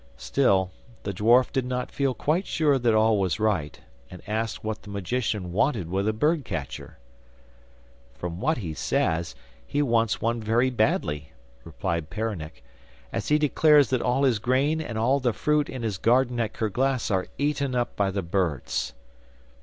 Still, the dwarf did not feel quite sure that all was right, and asked what the magician wanted with a bird catcher. 'From what he says, he wants one very badly,' replied Peronnik, 'as he declares that all his grain and all the fruit in his garden at Kerglas are eaten up by the birds.